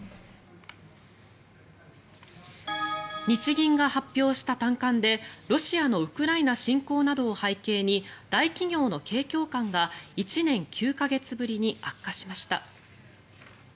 日銀が発表した短観でロシアのウクライナ侵攻などを背景に大企業の景況感が１年９か月ぶりに悪化しました。